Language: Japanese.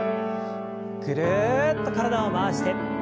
ぐるっと体を回して。